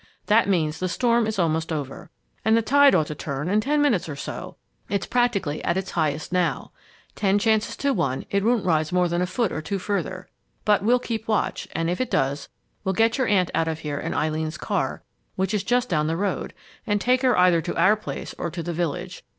That means the storm is almost over. And the tide ought to turn in ten minutes or so. It's practically at its highest now. Ten chances to one it won't rise more than a foot or two further. But we'll keep watch, and if it does, we'll get your aunt out of here in Eileen's car, which is just down the road, and take her either to our place or to the village.